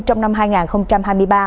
trong năm hai nghìn hai mươi ba